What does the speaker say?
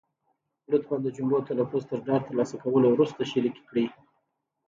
لطفا د جملو تلفظ تر ډاډ تر لاسه کولو وروسته شریکې کړئ.